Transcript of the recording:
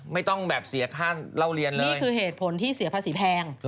ไม่ต้องแบบเสียค่าเล่าเรียนเลยนี่คือเหตุผลที่เสียภาษีแพง